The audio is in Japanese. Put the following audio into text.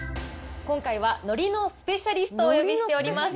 今回は、のりのスペシャリストをお呼びしております。